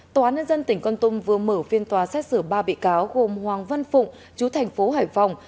tòa án nhân dân tỉnh con tum vừa mở phiên tòa xét xử ba bị cáo gồm hoàng văn phụng chú thành phố hải phòng